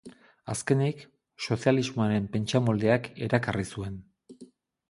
Azkenik, sozialismoaren pentsamoldeak erakarri zuen.